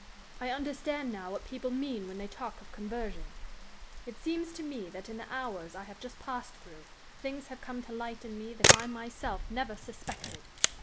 "I understand now what people mean when they talk of conversion. It seems to me that in the hours I have just passed through things have come to light in me that I myself never suspected.